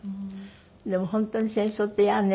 でも本当に戦争って嫌ね